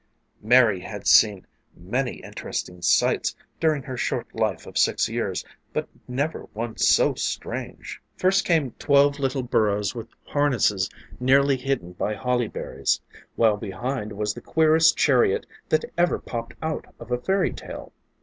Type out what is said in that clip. Mary had seen many interesting sights during her short life of six years, but never one so strange. First came twelve little burros with harnesses nearly hidden by holly berries, while behind was the queerest chariot that ever popped out of a fairy tale.